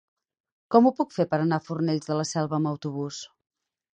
Com ho puc fer per anar a Fornells de la Selva amb autobús?